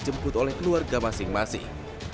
jemput oleh keluarga masing masing